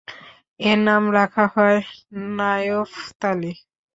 এর নাম রাখা হয় নায়ফতালী।